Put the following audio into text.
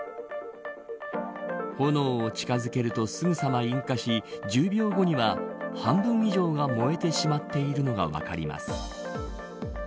炎を近づけるとすぐさま引火し１０秒後には半分以上が燃えてしまっているのが分かります。